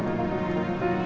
setia pak bos